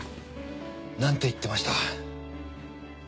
何て言ってました？